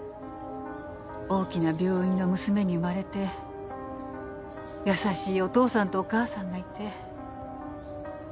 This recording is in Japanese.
大きな病院の娘に生まれて優しいお父さんとお母さんがいて。